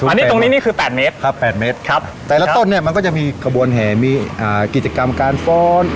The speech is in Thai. อันนี้ตรงนี้นี่คือ๘เมตรครับ๘เมตรแต่ละต้นเนี่ยมันก็จะมีขบวนแห่มีกิจกรรมการฟ้อน